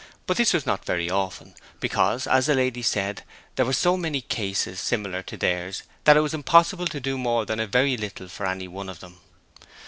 But this was not very often, because, as the lady said, there were so many cases similar to theirs that it was impossible to do more than a very little for any one of them.